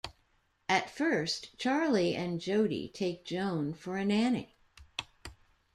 At first, Charlie and Jody take Joan for a nanny.